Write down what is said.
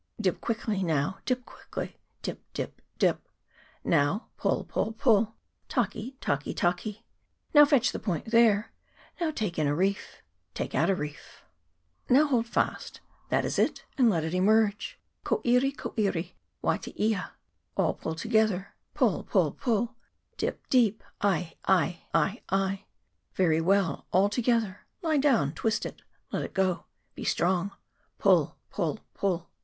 Dip quickly, now dip quickly, Dip, dip, dip. Now pull, pull, pull, Taki, taki, taki ; Now fetch the point there ; Now take in a reef. Take out a reef ; CHAP. XIX.J KAIPARA HARBOUR. 263 Now hold fast That is it. Now let it emerge. Koiri, koiri, watiia. All together now, Pull, pull, pull ;. Dip deep, i, i, i, i. Very well ; all together ; Lie down ; twist it ; Let it go. Be strong, pull, pull, pull.